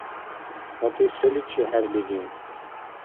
ГьатӀи, селичи хӀерлири?